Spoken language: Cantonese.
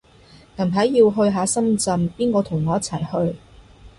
近排要去下深圳，邊個同我一齊去